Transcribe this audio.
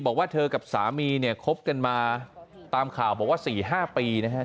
บอกว่าเธอกับสามีเนี่ยคบกันมาตามข่าวบอกว่า๔๕ปีนะครับ